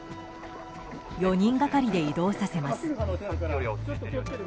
４人がかりで移動させます。